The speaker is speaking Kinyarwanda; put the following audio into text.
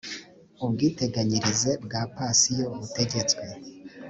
ubwiteganyirize bwa pansiyo butegetswe